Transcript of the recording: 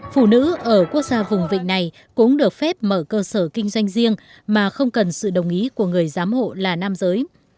phụ nữ ở quốc gia vùng vịnh này cũng được phép mở cơ sở kinh doanh riêng mà không cần sự đồng ý của người giám hộ là nam giới